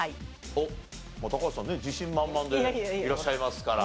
おっ高橋さんね自信満々でいらっしゃいますから。